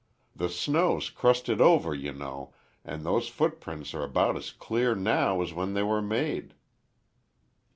The snow's crusted over, you know, and those footprints are about as clear now as when they were made."